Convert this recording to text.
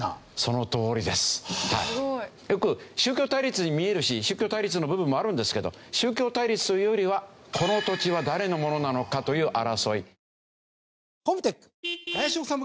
すごい！よく宗教対立に見えるし宗教対立の部分もあるんですけど宗教対立というよりはこの土地は誰のものなのかという争い。